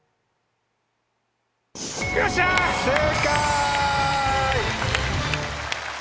正解！